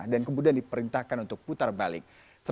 dan kemudian diperintahkan untuk putar balik